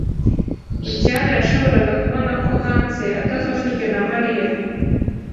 Bucyana yashoboraga kubona ko hanze adafashijwe na Mariya.